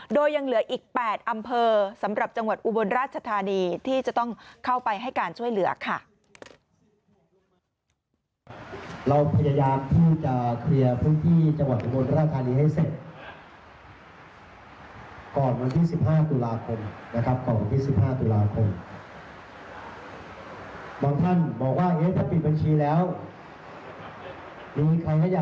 โดยยังเหลืออีก๘อำเภอสำหรับจังหวัดอุบลราชธานีที่จะต้องเข้าไปให้การช่วยเหลือค่ะ